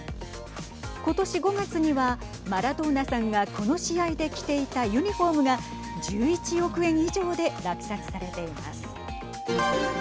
今年５月にはマラドーナさんがこの試合で着ていたユニフォームが１１億円以上で落札されています。